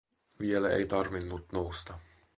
Vielä ei tarvinnut nousta.